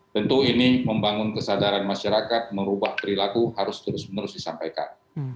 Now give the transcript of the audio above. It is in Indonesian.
tentu ini membangun kesadaran masyarakat merubah perilaku harus terus menerus disampaikan